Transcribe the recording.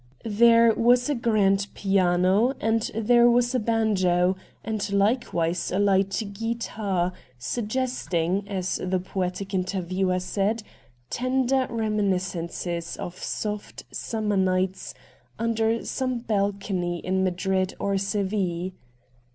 There was a grand piano and there was a banjo, and hkewise a light guitar, suggesting, as the poetic interviewer said, tender reminiscences of soft, summer nights under some balcony in Madrid or Seville.